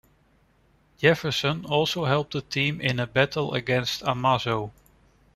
Jefferson also helps the team in a battle against Amazo.